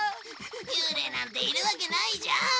ユーレイなんているわけないじゃん。